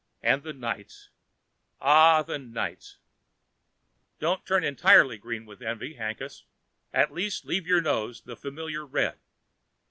And the nights! Ah, the nights! Don't turn entirely green with envy, Hankus. At least leave your nose the familiar red.